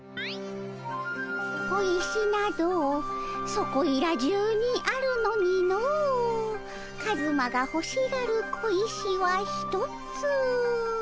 「小石などそこいら中にあるのにのカズマがほしがる小石はひとつ」。